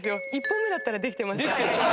１本目だったらできてました。